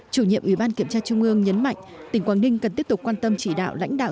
chủ nhiệm ủy ban kiểm tra trung ương nhấn mạnh tỉnh quảng ninh cần tiếp tục quan tâm chỉ đạo lãnh đạo